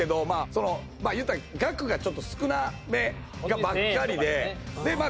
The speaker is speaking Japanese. その言うたら額がちょっと少なめばっかりででまあ